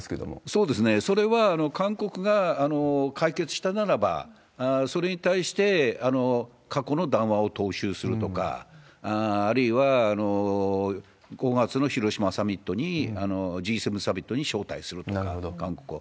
そうですね、それは韓国が解決したならば、それに対して過去の談話を踏襲するとか、あるいは５月の広島サミットにＧ７サミットに招待するとか、韓国を。